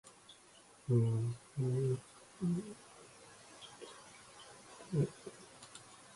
裏のあき家というのは、日本建ての商家でしたが、その奥座敷でも、ちょうど大鳥時計店の奥座敷と同じように、一枚の畳があげられ、床板がはずされ、